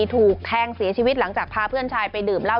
ถูกแทงเสียชีวิตหลังจากพาเพื่อนชายไปดื่มเหล้า